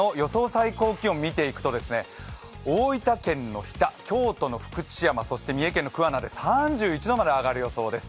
最高気温見ていくと大分県の日田、京都の福知山、そして三重県の桑名で３１度まで上がる予想です。